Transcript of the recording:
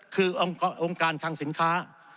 คือองค์การทางสินค้า